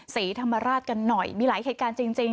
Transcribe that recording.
ศรีธรรมราชกันหน่อยมีหลายเหตุการณ์จริง